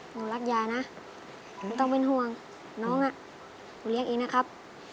หนูรักยายนะไม่ต้องเป็นห่วงน้องอ่ะหนูเลี้ยงเองนะครับ